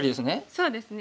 そうですね